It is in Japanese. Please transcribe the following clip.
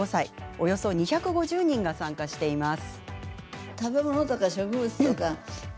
およそ２５０人が参加しています。